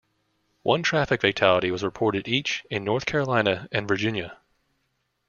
One traffic fatality was reported each in North Carolina and Virginia.